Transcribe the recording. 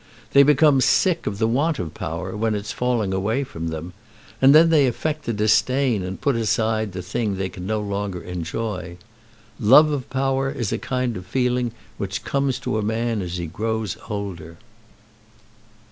They become sick of the want of power when it's falling away from them, and then they affect to disdain and put aside the thing they can no longer enjoy. Love of power is a kind of feeling which comes to a man as he grows older."